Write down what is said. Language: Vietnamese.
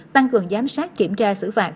tăng cường giám sát kiểm tra xử phạt